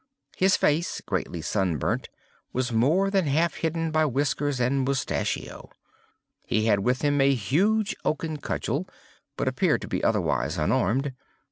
His face, greatly sunburnt, was more than half hidden by whisker and mustachio. He had with him a huge oaken cudgel, but appeared to be otherwise unarmed.